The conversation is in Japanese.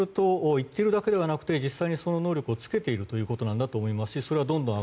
そうすると言っているだけではなくて実際にその能力をつけていて上がっていると思います。